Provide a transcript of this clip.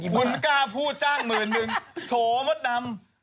คุณกล้าพูดจ้างหมื่นนึงโถมดดำ